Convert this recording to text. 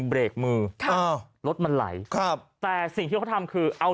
เบรกมือค่ะอ้าวรถมันไหลครับแต่สิ่งที่เขาทำคือเอา